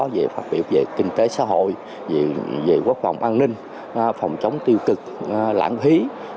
về kinh tế xã hội quốc phòng an ninh phòng chống tiêu cực lãng phí